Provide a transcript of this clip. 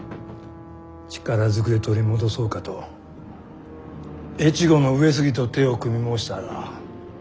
力ずくで取り戻そうかと越後の上杉と手を組み申したが。